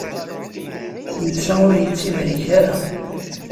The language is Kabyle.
Netta ur yettibrik ara.